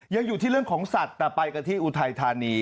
ยังอยู่ที่เรื่องของสัตว์แต่ไปกันที่อุทัยธานี